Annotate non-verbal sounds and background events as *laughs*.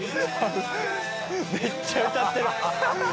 めっちゃ歌ってる *laughs* ）